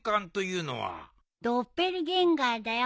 ドッペルゲンガーだよ